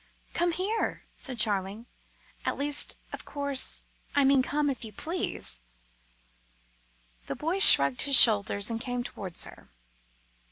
"Come here," said Charling. "At least, of course, I mean come, if you please." The boy shrugged his shoulders and came towards her.